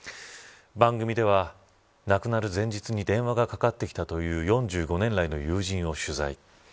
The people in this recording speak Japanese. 番組では、亡くなる前日に電話がかかってきたという４５年来の友人を取材。